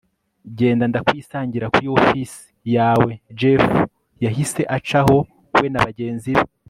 genda ndakwisangira kuri office yaweJeff yahise acaho we na bagenzi be